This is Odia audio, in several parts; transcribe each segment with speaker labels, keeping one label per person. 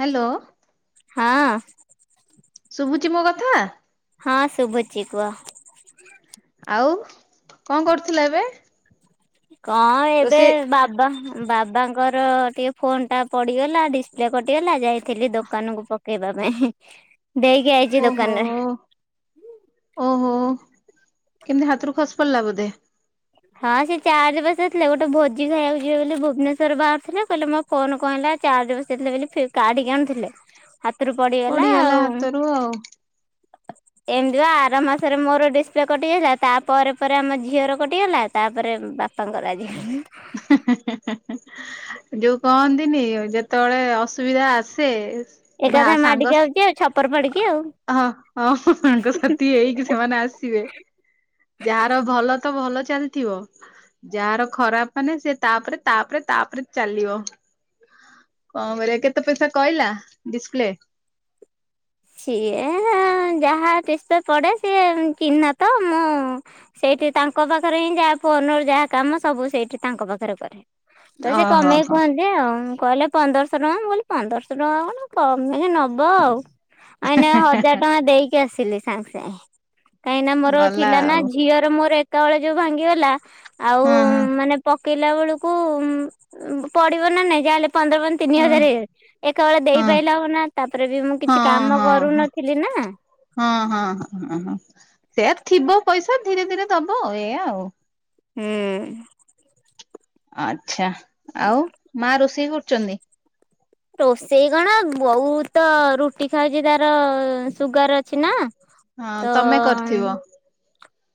Speaker 1: ହାଲୋ।
Speaker 2: ହଁ।
Speaker 1: ଶୁବୁଚି ମୋକଥା?
Speaker 2: ହଁ ଶୁବୁଚି କୁହ।
Speaker 1: ଆଉ କଣ କରୁଥିଲ ଏବେ?
Speaker 2: କଁ ଏବେ
Speaker 1: ରୋଷେଇ
Speaker 2: ବାବା ବାବାଙ୍କର ଟିକେ ଫୋନଟା ପଡ଼ିଗଲା ଡିସପ୍ଲେ କଟିଗଲା ଯାଇଥିଲି ଦୋକାନକୁ ପ ପକେଇବା ପାଇଁ। ଦେଇକି ଆଇ
Speaker 1: ଓହୋ ଓହୋ କେମିତି ହାତରୁ ଖସି ପଡ଼ିଲା ବୋଧେ।
Speaker 2: ହଁ ସେ ଚାର୍ଜ ବସେଇ ଥିଲେ। ଗୋଟେ ଭୋଜି ଖାଇବାକୁ ଯିବେ ବୋଲି ଭୁବନେଶ୍ଵର ବାହାରୁ ଥିଲେ କହିଲେ ମୋ ଫୋନ୍ କଣ ହେଲା ଚାର୍ଜ ବସେଇଥିଲେ ବୋଲି ଫି କାଢିକି ଆଣୁଥିଲେ। ହାତରୁ ପଡିଗଲା ଆଉ।
Speaker 1: ହାତରୁ ଆଉ
Speaker 2: ଏମିତି ବା ଆର ମାସରେ ମୋର ଡିସପ୍ଲେ କଟି ଯାଇଥିଲା ତା ପରେ ପରେ ଆମ ଝିଅର କ ଟିଗଲା ତାପରେ ବାପାଙ୍କର ଆଜି।
Speaker 1: [unintelligible] ଯୋଉ କହନ୍ତିନି ଯେତେବେଳେ ଅସୁବିଧା ଆସେ ଭା
Speaker 2: ଏକାଥରେ
Speaker 1: ସାଙ୍ଗ
Speaker 2: ମାଡିକି ଆଉଚି ଆଉ ଛପର ଫାଡିକି ଆଉ।
Speaker 1: ହଁ ହଁ ସାଙ୍ଗ ସାଥି ହେଇକି ସେମାନେ ଆସିବେ। ଯାହାର ଭଲ ତ ଭଲ ଚାଲିଥିବ। ଯାହାର ଖରାପ ମାନେ ସେ ତାପରେ ତାପରେ ତାପରେ ଚାଲିବ। କଣ କରିବା କେତେ ପଇସା କହିଲା ଡିସପ୍ଲେ?
Speaker 2: ସିଏ ଯାହା ଡିସପ୍ଲେ ପଡେ ସିଏ ଚିହ୍ନା ତ ମୁଁ ସେଇଠି ତାଙ୍କ ପାଖରେ ହିଁ ଯାହା ଫୋନରୁ ଯାହା କାମ ସବୁ ସେଇଠି ତାଙ୍କ ପାଖରେ କରେ। ତ ସେ
Speaker 1: ଓହୋ
Speaker 2: କମେଇକି
Speaker 1: ହୋ
Speaker 2: କୁହନ୍ତି ଆଉଁ କହିଲେ ପନ୍ଦରଶହ ଟଙ୍କା ମୁଁ କହିଲି ପନ୍ଦରଶହ ଟଙ୍କା କଣ କମେଇକି ନବ ଆଉ। ଆ ଏଇନା ହଜାର ଟଙ୍କା ଦେଇକି ଆସିଲି ସାଙ୍ଗେ ସାଙ୍ଗେ। କାହିଁକି ନା ମୋର
Speaker 1: ଗଲା
Speaker 2: ଥିଲା ନା
Speaker 1: ଆଉ
Speaker 2: ଝିଅର ମୋର ଏକା ବେଳେ ଯୋଉ ଭାଙ୍ଗିଗଲା। ଆଉ
Speaker 1: ହଁ ହଁ
Speaker 2: ମାନେ ପକେଇଲା ବେଳକୁ ପଡିବ ନା ନାଇଁ ଯାହାହେଲେ ପନ୍ଦର ପନ୍ଦ ତିନି
Speaker 1: ହଁ
Speaker 2: ହଜାର ଏକା ବେଳେ
Speaker 1: ହଁ
Speaker 2: ଦେଇପାଇଲେ ହବ ନା ତାପରେ ବି ମୁଁ କିଛି କାମ
Speaker 1: ହଁ ହଁ।
Speaker 2: କରୁନଥିଲି ନା
Speaker 1: ହଁ ହଁ ହଁ ହଁ ହଁ ସେଇଆ ଥିବ ପଇସା ଧୀରେ ଧୀରେ ଦବ ଏଇଆ ଆଉ।
Speaker 2: ହୁଁ।
Speaker 1: ଆଚ୍ଛା ଆଉ ମା ରୋଷେଇ କରୁଚନ୍ତି?
Speaker 2: ରୋଷେଇ କଣ ବୋଉତ ରୁଟି ଖାଉଚି ତାର ସୁଗାର ଅଛି ନା।
Speaker 1: ହଁ
Speaker 2: ତ
Speaker 1: ତମେ କରିଥିବ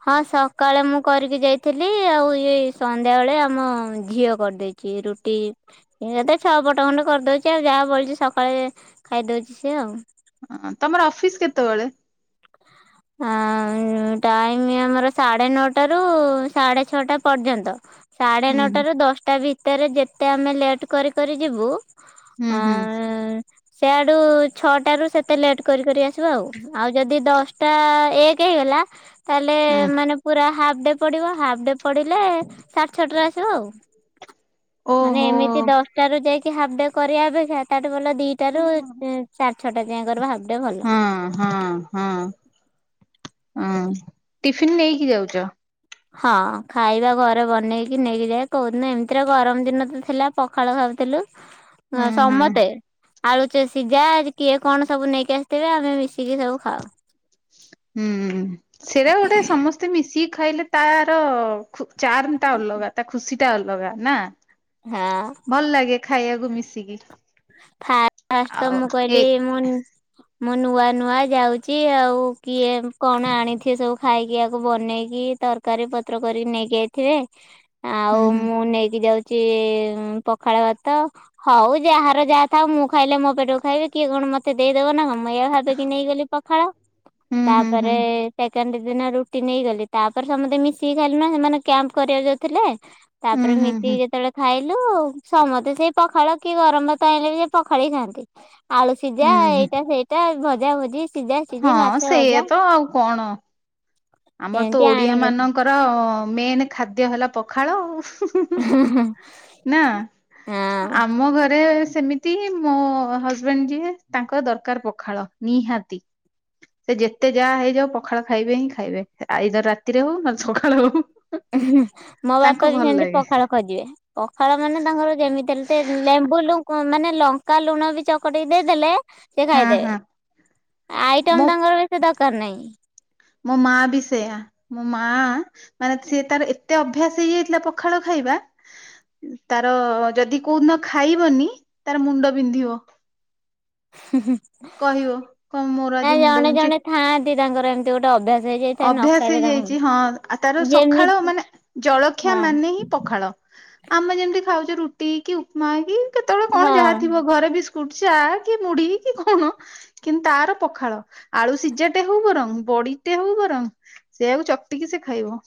Speaker 2: ହଁ ସକାଳେ ମୁଁ କରିକି ଯାଇଥିଲି। ଆଉ ଏଇ ସନ୍ଧ୍ୟା ବେଳେ ଆମ ଝିଅ କରିଦେଇଚି ରୁ ଟି କେତେ ଛଅ ପଟ ଖଣ୍ଡେ କରିଦୋଉଚି ଆଉ ଯାହା ବଳୁଚି ସକାଳେ ଖାଇଦୋଉଚି ସିଏ ଆଉ।
Speaker 1: ହଁ ତମର ଅଫିସ କେତେବେଳେ?
Speaker 2: ଆ ଟାଇମ୍ ଆମର ସାଢେ ନଅଟାରୁ ସାଢେ ଛଅଟା ପର୍ଯ୍ୟନ୍ତ। ସାଢେ
Speaker 1: ହୁଁ
Speaker 2: ନଅଟାରୁ ଦଶଟା ଭିତରେ ଯେତେ ଆମେ ଲେଟ୍ କରି କରି ଯିବୁ।
Speaker 1: ଉଁ ହୁଁ।
Speaker 2: ସିଆଡୁ ଛଅଟାରୁ ସେତେ ଲେଟ୍ କରିି କରି ଆସିବୁ ଆଉ। ଆଉ ଯଦି ଦଶ ଟା ଏକ ହେଇଗଲା ତାହେଲେ
Speaker 1: ହୁଁ
Speaker 2: ମାନେ ପୁରା ହାପ୍ ଡେ ପଡିବ ହାପ୍ ଡେ ପଡିଲେ ସାଢେ ଛଅଟାରେ ଆସିବୁ ଆଉ ମାନେ
Speaker 1: ଓହୋ।
Speaker 2: ଏମିତି ଦଶ ଟ ରାରୁ ଯାଇକି ହାଫ୍ ଡେ କରିବା ଅପେକ୍ଷା ତାଠୁ ଭଲ ଦିଇଟା ରୁ ସାଢେ ଛଅଟା ଯାଏଁ କରିବ ହାପ୍
Speaker 1: ହଁ ହଁ ହଁ ହଁ ଟିଫିିନ୍ ନେଇକି ଯାଉଚ?
Speaker 2: ହଁ ଖାଇବା ଘରେ ବନେଇକି ନେଇକି ଯାଏ। କୋଉଦିନ ଏମିତିରେ ଗରମ ଦିନ ତ ଥିଲା ପଖାଳ ଖାଉଥିଲୁ।
Speaker 1: [inaudible]
Speaker 2: ହଁ
Speaker 1: ହୁଁ
Speaker 2: ସମତେ ଆଳୁ ଚ ସିଝା ଆଜି କିଏ କଣ ସବୁ ନେଇକି ଆସିଥିବେ। ଆମେ ମିଶିକି ସବୁ ଖାଉ।
Speaker 1: ହୁଁ ସେଇଟା ଗୋଟେ ସମସ୍ତେ ମିଶିକି ଖାଇଲେ ତାର ଖୁ ଚାର୍ମଟା ଅଲଗା ତା ଖୁସିଟା ଅଲଗା ନା
Speaker 2: ହଁ
Speaker 1: ଭଲ ଲାଗେ। ଖାଇବାକୁ ମିଶିକି।
Speaker 2: ଫା-ଫାଷ୍ଟ ତ
Speaker 1: ଆଉ
Speaker 2: ମୁଁ
Speaker 1: ଏକ
Speaker 2: କହିଲି ମୁଁ ମୁଁ ନୂଆ ନୂଆ ଯାଉଚି ଆଉ କିଏ କଣ ଆଣିଥିବେ ସବୁ ଖାଇକି ଆକୁ ବନେଇକି ତର କାରୀ ପତ୍ର କରିକି ନେଇକି ଆଇଥିବେ।
Speaker 1: [inaudible]
Speaker 2: ଆଉ ମୁଁ
Speaker 1: ହୁଁ
Speaker 2: ନେଇକି ଯାଉଚି ପଖାଳ ଭାତ। ହୋଉ ଯାହା ର ଯାହା ଥାଉ ମୁଁ ଖାଇଲେ ମୋ ପେଟକୁ ଖାଇବି କିଏ କଣ ମତେ ଦେଇଦବ ନାଁ କଣ ମୁଁ ଏଇଆ ଭାବିକି ନେଇଗଲି ପଖାଳ।
Speaker 1: ହୁଁ ହୁଁ
Speaker 2: ତାପରେ। ସେକେଣ୍ଡ ଦିନ ରୁଟି ନେଇକି ଗଲି ତାପରେ ସମସ୍ତେ ମିଶିକି ଖାଇଲିୁ ନା ସେମାନେ କ୍ୟାମ୍ପ କରିବାକୁ ଯାଉଥିଲେ।
Speaker 1: ହୁଁ
Speaker 2: ତାପରେ
Speaker 1: ହୁଁ
Speaker 2: ମିଶିକି
Speaker 1: ହୁଁ
Speaker 2: ଯେତେବେଳେ ଖାଇଲୁ ସମସ୍ତେ ସେଇ ପଖାଳ କି ଗରମ ଭା ତାରେ ଆଣିଲେ ବି ସେ ପଖାଳିକି ଖାଆନ୍ତି ଆଳୁ ସିଝା
Speaker 1: ହୁଁ ହୁଁ ହୁଁ
Speaker 2: ଏଇଟା ସେଇଟା ଭଜା ଭୂଜି।
Speaker 1: ହଁ ସେଇଆ ତ ଆଉ କଣ। ଆମର ତ
Speaker 2: ଏମିତି
Speaker 1: ଓଡିଆ
Speaker 2: ଆଣିକି
Speaker 1: ମାନଙ୍କର ମେନ୍ ଖାଦ୍ୟ ହେଲା ପଖାଳ ଆଉ ହୁଁ। ହୁଁ-ହୁଁ ନା
Speaker 2: ହଁ
Speaker 1: ଆମ ଘରେ ସେମି ମିତି ମୋ ହଜବେଣ୍ଡ ଯିଏ ତାଙ୍କର ଦରକାର ପଖାଳ ନିହାତି। ସେ ଯେତେ ଯାହା ହେଇଯାଉ ପଖାଳ ଖାଇବେ ହିଁ ଖାଇବେ ଆଇଦର ରାତିରେ ହଉ ନଲେ ସକାଳ ହଉ।
Speaker 2: ହୁଁ ମୋ
Speaker 1: ତାଙ୍କୁ
Speaker 2: ବାପା ବି
Speaker 1: ଭଲ
Speaker 2: ସେମତି
Speaker 1: ଲାଗେ
Speaker 2: ପଖାଳ ଖୋଜିବେ। ପଖାଳ ମାନେ ତାଙ୍କର ଯେମିତି ହେଲେ ଟେ ଲେମ୍ବୁ ଲୁ ମାନେ ଲଙ୍କା ଲୁଣ ବି ଚ କଟିକି ଦେଇଦେଲେ ସେ
Speaker 1: ହଁ ହଁ
Speaker 2: ଖାଇଦେବେ
Speaker 1: ମୋ
Speaker 2: ଆଇଟମ ତାଙ୍କର ବେଶି ଦରକାର ନାହିଁ।
Speaker 1: ମୋ ମା ବି ସେୟା ମୋ ମା ମାନେ ସିଏ ତାର ଏତେ ଅଭ୍ୟାସ ହେଇଯାଇଥିଲା ପଖାଳ ଖାଇବା। ତାର ଯଦି କୋଉଦିନ ଖାଇବନି ତାର ମୁଣ୍ଡ ବିନ୍ଧିବ।
Speaker 2: ହୁଁ-ହୁଁ
Speaker 1: କହିବ କଣ ମୋର ଆଜି
Speaker 2: ନାଇଁ
Speaker 1: ମୁଣ୍ଡ
Speaker 2: ଜଣେ
Speaker 1: ବିନ୍ଧୁଛି
Speaker 2: ଜଣେ ଥାଆନ୍ତି ତାଙ୍କର ଏମି
Speaker 1: ଅଭ୍ୟାସ ହେଇଯାଇଛି ହଁ ଆ ତାର ସକାଳ
Speaker 2: ଯେମିତି
Speaker 1: ମାନେ ଜଳଖିଆ
Speaker 2: ହଁ
Speaker 1: ମାନେ ହିଁ ପଖାଳ ଆମେ ଯେମିତି ଖାଉଛେ ରୁଟି କି ଉପମା କି କେତେବେଳେ କଣ ଯାହା
Speaker 2: ହଁ
Speaker 1: ଥିବ ଘରେ ବିସ୍ ସ୍କୁଟ ଚା କି ମୁଢି କି କଣ। କିନ୍ତୁ ତାର ପଖାଳ ଆଳୁ ସିଝାଟେ ହଉ ବରଂ ବଡି ଟେ ହେଉ ବରଂ ସେଆକୁ ଚକଟିକି ସେ ଖାଇବ।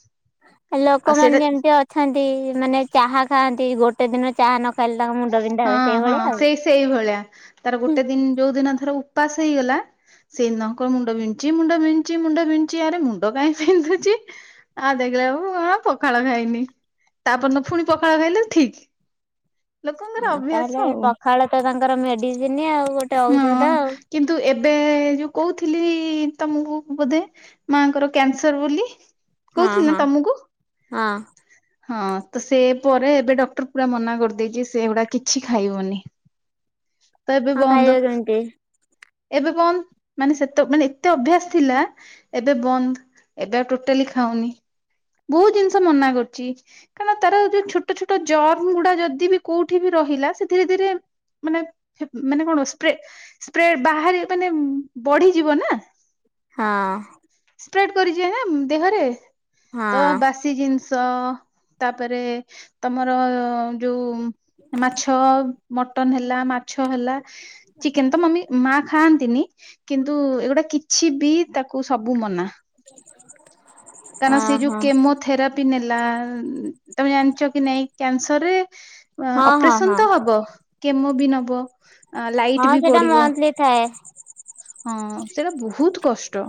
Speaker 2: ଆ
Speaker 1: ଆଉ
Speaker 2: ଲୋକମାନେ
Speaker 1: ସେଇଟା
Speaker 2: ଯେମିତି ଅଛନ୍ତି ମାନେ ଚାହା ଖାଆନ୍ତି ଗୋଟେ ଦିନ ଚାହା ନ କହିଲି ତାଙ୍କ ମୁଣ୍ଡ ବିିନ୍ଧା ହୁଏ ସେଇଭଳିଆ ଆଉ।
Speaker 1: ସେଇଭଳିଆ ତାର ଗୋଟେ ଦିନ୍ ଯୋଉ ଦିନ ଧର ଉପାସ୍ ହେଇଗଲା। ସେଇଦିନ ମୁଣ୍ଡ ବିନ୍ଦୁଚି ମୁଣ୍ଡ ବିନ୍ଦୁଚି ମୁଣ୍ଡ ବିନ୍ଦୁଚି ଆରେ ମୁଣ୍ଡ କାଇଁ ପିନ୍ଧୁଚି। ଆଁ ଦେଖିଲା କଣ ପଖାଳ ଖାଇନି ତାପଅନ ପୁଣି ପଖାଳ ଖାଇଲେ ଠିକ୍।
Speaker 2: ହଁ ତାହେଲେ
Speaker 1: ଆଉ
Speaker 2: ପଖାଳ ତ ତାଙ୍କର ମେଡିସିନି ଆଉ ଗୋ
Speaker 1: ହଁ କିନ୍ତୁ ଏବେ ଯୋଉ କୋଉଥିଲି ତମୁକୁ ବୋଧେ। ମାଆଙ୍କର କ୍ୟାନସର ବୋଲି।
Speaker 2: ହଁ
Speaker 1: କହୁଥିଲି ନା
Speaker 2: ହଁ
Speaker 1: ତମକୁ
Speaker 2: ହଁ।
Speaker 1: ହଁ ତ ସେ ପରେ ଏବେ ଡକ୍ଟର ପୁରା ମନା କରିଦେଇଚି ସେ ଏଗୁଡ଼ା କିଛି ଖାଇବନି। ତ ଏବେ
Speaker 2: ଆଉ
Speaker 1: ବନ୍ଦ।
Speaker 2: ଖାଇବେ କେମିତି
Speaker 1: ଏବେ ବନ୍ ମାନେ ସେତେ ମାନେ ଏତେ ଅଭ୍ୟାସ ଥିଲା। ଏବେ ବନ୍ଦ ଏବେ ଆଉ ଟୋଟାଲି ଖାଉନି ବହୁତ ଜିନିଷ ମନା କରୁ କାରଣ ତାର ଯୋଉ ଛୋଟ ଛୋଟ ଜର୍ମ ଗୁଡା ଯଦି ବି କୋଉଠି ବି ରହିଲା ସେ ଧୀରେ ଧୀରେ। ମାନେ ଏ ମାନେ କଣ ସ୍ପ୍ରେ ସ୍ପ୍ରେଡ଼ ବାହାରି ମାନେ ବଢିଯିବ ନା।
Speaker 2: ହଁ।
Speaker 1: ସ୍ପ୍ରେଡ୍ କରିଯାଏ ନା ଦେହରେ
Speaker 2: ହଁ
Speaker 1: ତ ବାସି ଜିନ୍ ତ ତାପରେ ତମର ଯୋଉ। ମାଛ ଆଉ ମଟନ ହେଲା ମାଛ ହେଲା ଚିକେନ୍ ତ ମମି ମା ଖାଆନ୍ତିନି କିନ୍ତୁ ଏଗୁଡ଼ା କିଛି ବି ତାକୁ ସବୁ ମନା। କାଇନା ସେ ଯୋଉ
Speaker 2: ଓହୋ
Speaker 1: କେମୋଥେରାପି ନେଲା ତମେ ଜାଣିଛ କି ନାଇଁ କ୍ୟାନସର ରେ
Speaker 2: ହଁ ହଁ
Speaker 1: ଅପରେସନ୍
Speaker 2: ହଁ
Speaker 1: ତ ହବ କେମୋ ବି ନବ। ଆ ଲାଇଟ
Speaker 2: ହଁ
Speaker 1: ବି
Speaker 2: ସେଟା
Speaker 1: ପଡିବ
Speaker 2: ମନ୍ଥଲି ଥାଏ।
Speaker 1: ହଁ ସେଟା ବହୁତ କଷ୍ଟ।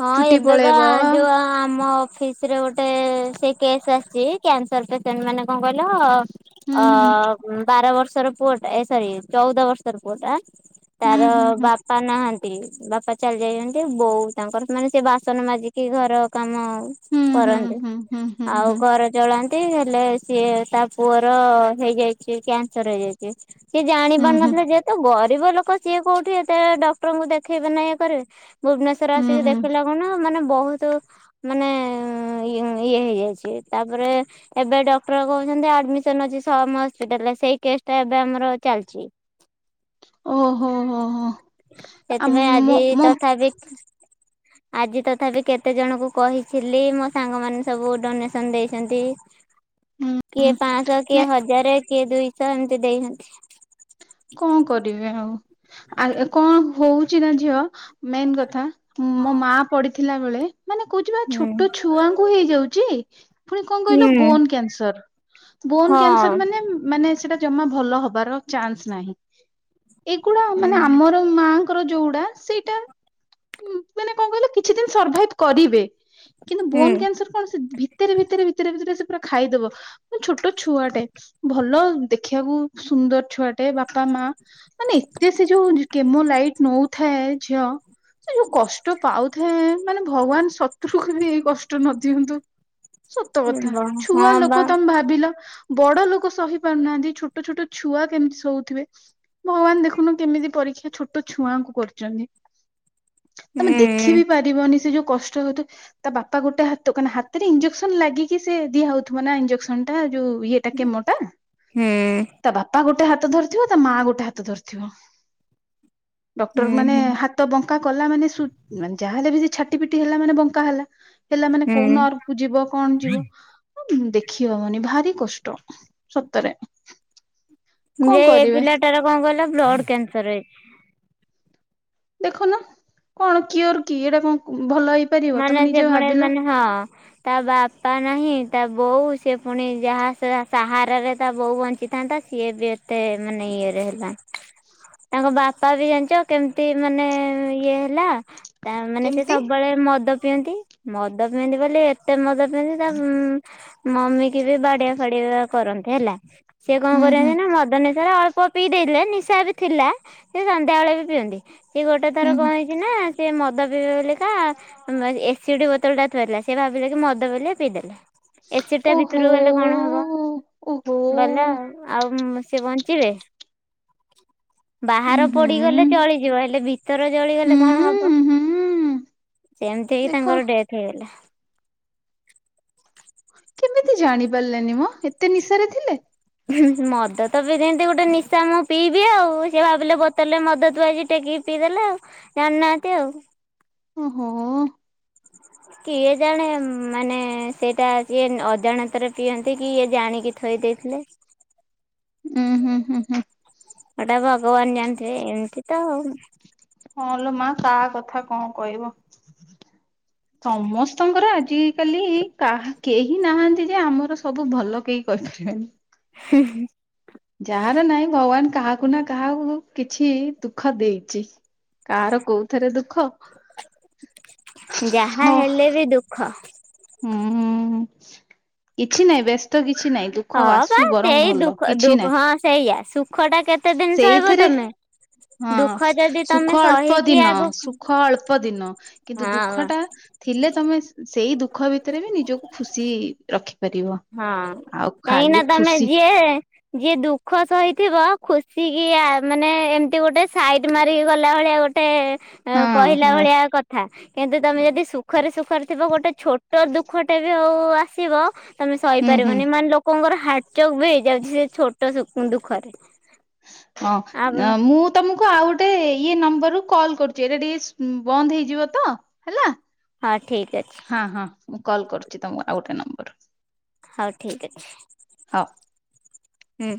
Speaker 2: ହଁ
Speaker 1: ଚୁଟି
Speaker 2: ଏବେ ବା
Speaker 1: ପଳେଇବ
Speaker 2: ଯୋଉ ଆମ ଅଫିସ୍। ସେଥିରେ ଗୋଟେ ସେ କେସ୍ ଆସିଚି କ୍ୟାନସର ପେସେଣ୍ଟ ମାନେ କଣ କଇଲ ଅ ହୁଁ ବାର ବର୍ଷର ପୁଅଟା ଏ ସରି ଚଉଦ ବର୍ଷର ପୁଅଟା। ତାର
Speaker 1: ହୁଁ ହୁଁ
Speaker 2: ବାପା ନାହାନ୍ତି ବାପା ଚାଲି ଯାଇଚନ୍ତି ବୋଉ। ତାଙ୍କର ମାନେ ସେ ବାସନ ମାଜିକି ଘର କାମ।
Speaker 1: ହୁଁ ହୁଁ
Speaker 2: କରନ୍ତେ।
Speaker 1: ହୁଁ ହୁଁ
Speaker 2: ଆଉ
Speaker 1: ହୁଁ
Speaker 2: ଘର ଚଳା ତେ ହେଲେ ସିଏ ତା ପୁଅର ହେଇଯାଇଚି କ୍ୟାନସର ହେଇଯାଇଚି। ସିଏ ଜାଣି
Speaker 1: ହୁଁ ହୁଁ
Speaker 2: ପାରୁ
Speaker 1: ହୁଁ ହୁଁ
Speaker 2: ନଥିଲେ ଯେ ଗରିବ ଲୋକ ସିଏ କୋଉଠୁ ଏତେ ଡକ୍ଟରଙ୍କୁ ଦେଖେଇବେ ନା ଇଏ କରିଏ ଭୁବନେଶ୍ୱର
Speaker 1: ହୁଁ
Speaker 2: ସିଏ
Speaker 1: ହୁଁ
Speaker 2: ଦେଖିଲାଖୁନୁ ମାନେ ବୋହୁତୁ ମାନେ ଇ ଇଏ ହେଇଯାଇଚି ତାପରେ ଏବେ ଡକ୍ଟର କହୁଚନ୍ତି ଆଡମିସନ ଅଛି ସମ୍ ହସ୍ପିଟାଲରେ ସେଇ କେସ୍ ଟା ଏବେ ଆମର ଚାଲିଚି।
Speaker 1: ଓହୋ ହୋ ହୋ ଆ
Speaker 2: ସେଥିପାଇଁ
Speaker 1: ମୋ
Speaker 2: ଆଜି
Speaker 1: ମୋ
Speaker 2: ତଥାବି ଆଜି ତଥାପି କେତେଜଣୁକୁ କହିଥିଲି ମୋ ସାଙ୍ଗମାନେ ସବୁ ଡୋନେସନ୍ ଦେଇଛନ୍ତି। କିଏ ପାଁସ କିଏ
Speaker 1: ନାଇଁ
Speaker 2: ହଜାରେ କିଏ ଦୁଇଶ ଏମିତି ଦେଇଛନ୍ତି।
Speaker 1: କଣ କରିବେ ଆଉ ଆ କଣ ହଉଚି ନା ଝିଅ ମେନ୍ କଥା ମୋ ମା ପଡିିଥିଲା ବେଳେ ମାନେ କଉଚି ବା
Speaker 2: ହୁଁ
Speaker 1: ଛୋଟ ଛୁଆଙ୍କୁ ହେଇଯାଉଛି ପୁଣି କଣ କହିଲ
Speaker 2: ହୁଁ।
Speaker 1: Bone cancer. ବୋନ୍ କ୍ୟାନସର
Speaker 2: ହଁ
Speaker 1: ମାନେ ମାନେ ସେଟା ଜମା ଭଲ ହବାର ଚାନ୍ସ ନାହିଁ। ଏଗୁାଡ଼ା
Speaker 2: ହୁଁ
Speaker 1: ମାନେ ଆମର ମାଆଙ୍କର ଯୋଉଡା ସେଇଟା ମାନେ କଣ କଇଲ କିଛି ଦିନି ସରଭାଇବ୍ କରିବେ କିନ୍ତୁ ବୋନ୍ କ୍ୟାନସର କଣ ସେ ଭିତରେ ଭିତରେ ଭିତରେ ଭିତରେ ସେ ପୁରା ଖାଇଦବ। ଛୋଟ ଛୁଆଟେ ଭଲ ଦେଖିଆକୁ ସୁନ୍ଦର ଛୁଆ। ଟେ ବାପା ମା ମାନେ ଏତେ ସେ ଯୋଉ କେମୋ ଲାଇଟ ନୋଉଥାଏ ଝିଅ ସେ ଯୋଉ କଷ୍ଟ ପାଉଥାଏ ମାନେ ଭଗବାନ ଶତ୍ରୁକୁ ବି ଏଇ କଷ୍ଟ ନଦିଅନ୍ତୁ। ସତ
Speaker 2: ହଁ
Speaker 1: କଥା। ଛୁଆ
Speaker 2: ବା
Speaker 1: ଲୋକ ତମେ ଭାବିଲ। ବଡ ଲୋକ ସହି ପାରୁନାହାନ୍ତି ଛୋଟ ଛୋଟ ଛୁଆ କେମିତି ହଉଥିବେ ଭଗବାନ ଦେଖୁନୁ କେମିତି ପରୀକ୍ଷା ଛୋଟ ଛୁଆଙ୍କୁ କରିୁଛନ୍ତି। ତମେ
Speaker 2: ହୁଁ।
Speaker 1: ଦେଖି ବିି ପାରିବନି ସେ ଯୋଉ କଷ୍ଟ ହଉଥାଏ ତା ବାପା ଗୋଟେ ହାତ କନା ହାତ ଇଞ୍ଜେକ୍ସନ ଲାଗିକି ସେ ଦିଆ ହଉଥିବ ନା ଇଞଜେକ୍ସନ ଟା ଯୋଉ ଇଏ କେମୋ ଟା
Speaker 2: ହୁଁ।
Speaker 1: ତା ବାପା ଗୋଟେ ହାତ ତ ଧରିଥିବ ତା ମା ଗୋଟେ ହାତ ଧରିଥିବ ଡ଼କ୍ଟର୍
Speaker 2: ହୁଁ
Speaker 1: ମାନେ
Speaker 2: ହୁଁ
Speaker 1: ହା ତ୍ ତ ବଙ୍କା କଲା ମାନେେ ଯାହାେଲେ ବି ସେ ଛାଟି ପିଟି ହେଲା ମାନେ ବଙ୍କା ହେଲା। ହେଲା ମାନେ କୋଉ
Speaker 2: ହୁଁ
Speaker 1: ନରକୁ ଯିବ କଣ ଯିବ? ଦେଖି ହବନି ଭାରି କଷ୍ଟ ସତରେ। କଣ
Speaker 2: ଯେ ଏ
Speaker 1: କରିବେ
Speaker 2: ପିଲାଟାରେ କଣ କହିଲ ବ୍ଲଡ୍ କ୍ୟାନସର୍ ହେଇଛି।
Speaker 1: ଦେଖୁନ କଣ କିଓର୍ କି ଏଇଟା କଣ ଭଲ ହେଇ
Speaker 2: ମାନେ ସେ ପୁଣି ମାନେ ହଁ! ତା ବାପା ନାହିଁ ତା ବୋଉ ସେି ପୁଣି ଯାହା ସାହାରରେ ତା ବୋଉ ବଞ୍ଚି ତାନ୍ତା ସିଏ ବି ଏତେ ମାନେ ଇଏରେ ହେଲା। ତାଙ୍କ ବାପା ବି ଜାଣିଛ? କେମିତି ମାନେ ଇଏ ହେଲା ତା ମାନେ ସେ
Speaker 1: କେମିତି
Speaker 2: ସବୁବେଳେ ମଦ ପିଅନ୍ତି ମଦ ପିଅନ୍ତି ବୋଲି ଏତେ ମଦ ମ ତା ମମି ବି ବାଡିଆ ଫାଡିଆ କରନ୍ତି ହେଲା ସିଏ କଣ
Speaker 1: ହୁଁ ହୁଁ
Speaker 2: କରନ୍ତି ନା ମଦ ନିସାରେ ଅଳ୍ପ ପିଇ ଦେଇଥିଲେ ନିଶା ବି ଥିଲା ସେ ସନ୍ଧ୍ୟାବେେଳେ ବି ପିଅନ୍ତି ସିଏ ଗୋଟେ
Speaker 1: ହୁଁ
Speaker 2: ଥର
Speaker 1: ହୁଁ
Speaker 2: କଣ ହେଇ ନା ସେ ମଦ ପିଇବେ ବେଲିକା ଏସିଡି ବୋତଲ ଟା ଥୋଇଲା। ସେ ଭାବିଲେ କି ମଦ ବୋଲି ପିଇଦେଲେ। ଏସିର ଟା ଭିତରୁକୁ ଗଲେ କଣ ହବ? ଗଲା
Speaker 1: ଉହୁଁ,
Speaker 2: ଆଉ। ଆଉ ସେି ବଞ୍ଚିବେ?
Speaker 1: ହୁଁ,
Speaker 2: ବାହାର ପଡିଗଲେ ଚଳିଯିବ। ହେଲେ ଭିତର ଚଳିଗଲେ କଣ ହବ?
Speaker 1: ହୁଁ,
Speaker 2: ସେମିତି ହେଇକି
Speaker 1: ଦେଖ
Speaker 2: ତାଙ୍କର ଡେଥ ହେଇଗଲା।
Speaker 1: କେମିତି ଜାଣି ପାରିଲେନି ମ ଏତେ ନିଶାରେ ଥିଲେ?
Speaker 2: ମଦ ତ ବି ଯେମିତି ଗୋଟେ ନିଶା ମୁଁ ପିଇବି ଆଉ ସେ ଭାବିଲେ ବୋତଲରେ ମଦ ତୁ ଆଜି ଟେକି ପିଇଦେଲେ ଆଉ ଜାନାହାନ୍ତି ଆଉ।
Speaker 1: ଓହୋ।
Speaker 2: କିଏ ଜାଣେ ମାନେ ସେଇଟା ଜିଏ ଅଜାଣତରେ ପିଅନ୍ତି କି ଇଏ ଜାଣିକି ଥୋଇ ଦେଇଥିଲେ।
Speaker 1: ହୁଁ ହୁଁ ହୁଁ ହୁଁ।
Speaker 2: ସେଟା ଭଗବାନ ଜାଣିଥିବେ ଏମତି ତଉ।
Speaker 1: ହଁଲୋ ମା କାହା କଥା କଣ କହିବ। ସମସ୍ତଙ୍କର ଆଜିକାଲି କା କେହି ନାହାନ୍ତି ଯେ ଆମର ସବୁ ଭଲ କେଇ କରିଥିବେ।
Speaker 2: ହୁଁ।
Speaker 1: ଯାହାର ନାହିଁ ଭଗବାନ କାହାକୁ ନା କାହାକୁ କିଛି ଦୁଃଖ ଦେଇଛି। କାହାର କୋଉଥିରେ ଦୁଃଖ
Speaker 2: ଯାହା
Speaker 1: ହଁ
Speaker 2: ହେଲେ [inaudible]
Speaker 1: ହୁଁ କିଛି ନାଇଁ ବ୍ୟସ୍ତ କିଛି ନାଇଁ ଦୁ
Speaker 2: ହଁ ବା ସେଇ ଦୁଃଖ ଦୁ ହଁ ସେଇଆ ସୁଖ ଟା କେତେ ସହିବ
Speaker 1: ସେଇଥିରେ
Speaker 2: ତମେ।
Speaker 1: ହଁ,
Speaker 2: ଦୁଃଖ ଯଦି ତମେ
Speaker 1: ସୁଖ ଅଳ୍ପ
Speaker 2: ସହିକି
Speaker 1: ଦିନ
Speaker 2: ଆଗକୁ
Speaker 1: ସୁଖ ଅଳ୍ପ ଅଲ୍ପ ଦିନ କିନ୍ତୁ
Speaker 2: ହଁ
Speaker 1: ଦୁଃଖ ଟା ଥିଲେ ତମେ ସେଇ ଦୁଃ ଖ ଭିତରେ ବି ନିଜକୁ ଖୁସି ରଖିପାରିବ।
Speaker 2: ହଁ
Speaker 1: ଆଉ
Speaker 2: କାହିଁକି ନା
Speaker 1: ଖାଲି
Speaker 2: ତମେ
Speaker 1: ଖୁସି
Speaker 2: ଯିଏ ଯିଏ ଦୁଃଖ ସହିଥିବ ଖୁସିିକିଆ ମାନେ ଏମିତି ଗୋଟେ ସାଇଡ୍ ମାରିକି ଗଲା ଭଳିଆ ଗୋଟେ
Speaker 1: ହଁ [inaudible]
Speaker 2: ଆ କହିଲା
Speaker 1: ହଁ
Speaker 2: ଭଳିଆ କ ଥା କିନ୍ତୁ ତମେ ଯଦି ସୁଖରେ ସୁଖରେ ଥିବ ଗୋଟେ ଛୋଟ ଦୁଃଖଟେ ବି ହଉ ଆସିବ ତମେ
Speaker 1: ହୁଁ ହୁଁ
Speaker 2: ସହିପାରିବନି ମାନେ ଲୋକଙ୍କର ହାର୍ଟଚୋକ୍ ବି ହେଇଯାଉଛି ସେ ଛୋଟ ଦୁଃଖରେ।
Speaker 1: ହଁ
Speaker 2: ଆଉ
Speaker 1: ନ ମୁଁ ତମକୁ ଆଉ ଗୋଟେ ଇଏ ନମ୍ବରରୁୁ କଲ୍ କରୁଛି ଏଇଟା ଟିକେ ବନ୍ଦ ହେଇଯିବ ତ। ହେଲା।
Speaker 2: ହଁ ଠିକ୍ ଅଛି।
Speaker 1: ହଁ ହଁ ମୁଁ କଲ୍ କରୁଛି ତମ ଆଉ ଗୋଟେ ନମ୍ବରରୁ।
Speaker 2: ହଉ ଠିକ୍ ଅଛି।
Speaker 1: ହଉ।
Speaker 2: ହେଇ